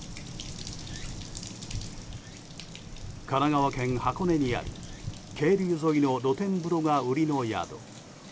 神奈川県箱根にある渓流沿いの露天風呂が売りの宿。